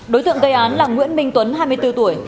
đối tượng gây án là nguyễn minh tuấn hai mươi bốn tuổi